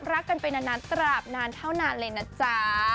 รักกันไปนานตราบนานเท่านานเลยนะจ๊ะ